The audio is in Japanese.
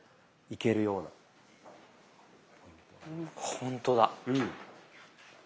ほんとだ。